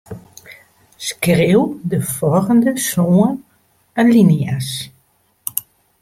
Skriuw de folgjende sân alinea's.